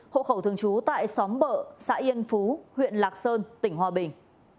hộ khẩu thường trú tại xóm bợ xã yên phú huyện lạc sơn tỉnh hòa bình